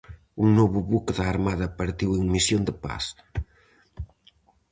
Un novo buque da armada partiu en misión de paz.